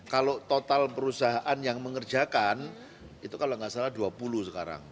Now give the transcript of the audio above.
kalau total perusahaan yang mengerjakan itu kalau nggak salah dua puluh sekarang